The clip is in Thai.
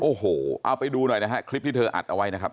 โอ้โหเอาไปดูหน่อยนะฮะคลิปที่เธออัดเอาไว้นะครับ